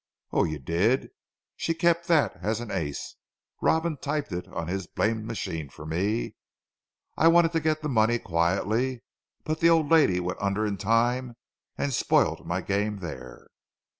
"Oh, you did. She kept that as an ace. Robin typed it on his blamed machine for me. I wanted to get the money quietly, but the old lady went under in time and spoilt my game there."